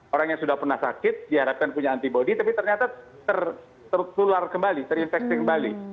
orang yang sudah pernah sakit diharapkan punya antibody tapi ternyata tertular kembali terinfeksi kembali